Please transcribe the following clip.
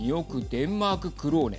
デンマーククローネ